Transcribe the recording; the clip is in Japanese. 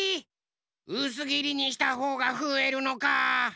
うすぎりにしたほうがふえるのか。